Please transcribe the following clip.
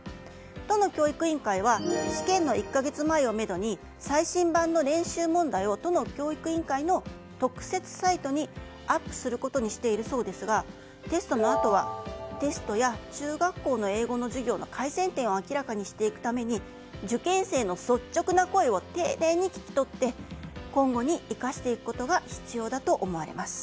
都の教育委員会は試験の１か月前をめどに最新版の練習問題を都の教育委員会の特設サイトにアップすることにしているそうですがテストのあとはテストや中学校の英語の授業の改善点を明らかにしていくために受験生の率直な声を丁寧に聞き取って今後に生かしていくことが必要だと思われます。